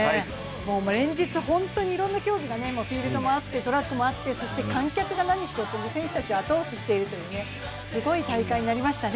連日本当にいろんな競技が、フィールドもあって、トラックもあって、観客が選手たちを後押ししているというすごい大会になりました。